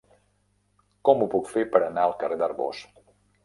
Com ho puc fer per anar al carrer d'Arbós?